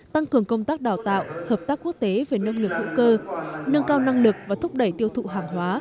tăng cường công tác đào tạo hợp tác quốc tế về nông nghiệp hữu cơ nâng cao năng lực và thúc đẩy tiêu thụ hàng hóa